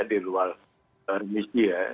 di luar misi ya